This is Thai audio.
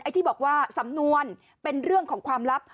ที่บอกว่าสำนวนเป็นเรื่องของความลับ